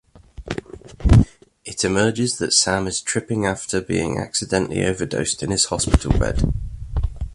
It emerges that Sam is tripping after being accidentally overdosed in his hospital bed.